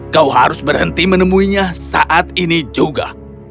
kau harus berhenti menemuinya saat ini juga